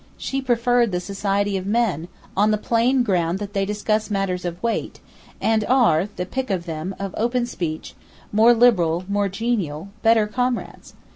She preferred the society of men, on the plain ground that they discuss matters of weight, and are—the pick of them—of open speech, more liberal, more genial, better comrades.